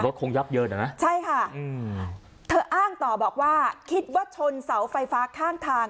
คงยับเยินอ่ะนะใช่ค่ะอืมเธออ้างต่อบอกว่าคิดว่าชนเสาไฟฟ้าข้างทาง